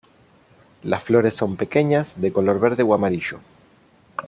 Las flores son pequeñas, de color verde o amarillo.